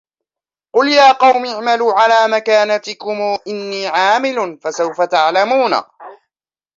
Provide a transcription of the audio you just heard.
قل يا قوم اعملوا على مكانتكم إني عامل فسوف تعلمون